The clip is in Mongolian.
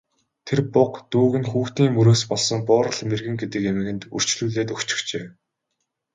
Тэр буга дүүг нь хүүхдийн мөрөөс болсон Буурал мэргэн гэдэг эмгэнд үрчлүүлээд өгчихжээ.